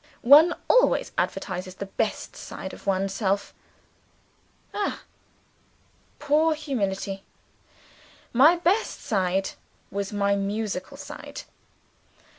One always advertises the best side of oneself. (Ah, poor humanity!) My best side was my musical side.